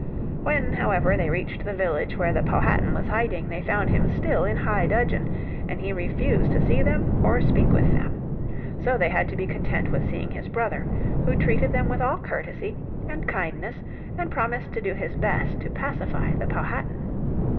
When, however, they reached the village where the Powhatan was hiding they found him still in high dudgeon, and he refused to see them, or speak with them. So they had to be content with seeing his brother, who treated them with all courtesy and kindness and promised to do his best to pacify the Powhatan.